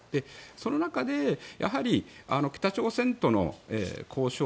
その中で北朝鮮との交渉